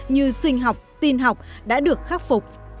như sinh học tin học đã được khắc phục